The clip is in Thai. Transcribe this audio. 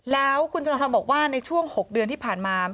แล้วคุณธนทรบอกว่าในช่วง๖เดือนที่ผ่านมา